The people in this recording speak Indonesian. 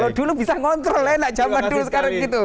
kalau dulu bisa ngontrol ya enak jaman dulu sekarang itu